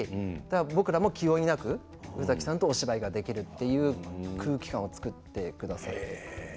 僕らも気負いなく宇崎さんとお芝居ができるという空気感を作ってくださいました。